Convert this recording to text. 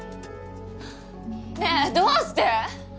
ねえどうして？